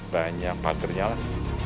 banyak pagernya lah